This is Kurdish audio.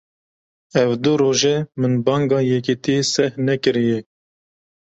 Ev du roj e, min banga yekîtiyê seh nekiriye